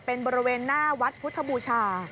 เป็นบริเวณหน้าวัดพุทธบูชา